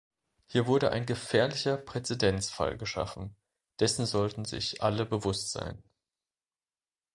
Hier wurde ein gefährlicher Präzedenzfall geschaffen, dessen sollten sich alle bewusst sein.